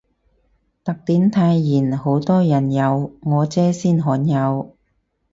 特典泰妍好多人有，我姐先罕有